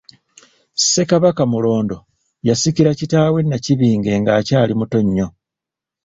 Ssekabaka Mulondo yasikira kitaawe Nakibinge nga akyali muto nnyo.